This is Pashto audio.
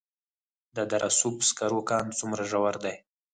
د دره صوف سکرو کان څومره ژور دی؟